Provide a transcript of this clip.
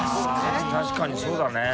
確かにそうだね。